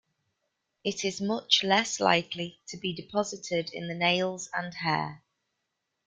It is much less likely to be deposited in the nails and hair.